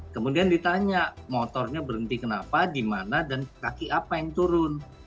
kemudian ditanya motornya berhenti kenapa di mana dan kaki apa yang turun